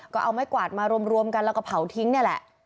ก็เอาไม้กวาดมารวมกันแล้วก็เผาทิ้งนี่แหละ